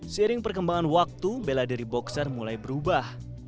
seiring perkembangan waktu bela diri boxer mulai berubah